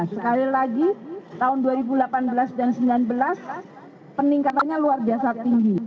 sekali lagi tahun dua ribu delapan belas dan dua ribu sembilan belas peningkatannya luar biasa tinggi